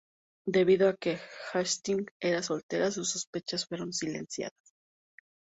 Debido a que Hastings era soltera, sus sospechas fueron silenciadas.